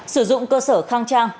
sử dụng cơ sở khang trang